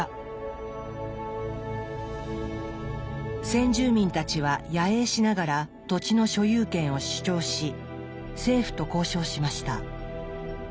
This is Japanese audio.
先住民たちは野営しながら土地の所有権を主張し政府と交渉しました。